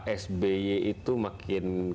instead sby yg dari keluarga kita